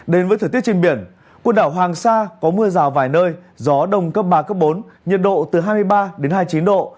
đến với thời tiết trên biển quần đảo hoàng sa có mưa rào vài nơi gió đông cấp ba bốn nhiệt độ từ hai mươi ba đến hai mươi chín độ